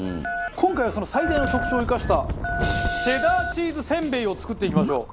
今回はその最大の特徴を生かしたチェダーチーズせんべいを作っていきましょう。